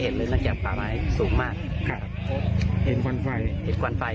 เห็นรึนั่นแจบปราไม้สูงมากครับเห็นควันไฟเห็นควันไฟ